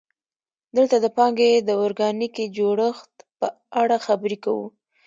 دلته د پانګې د ارګانیکي جوړښت په اړه خبرې کوو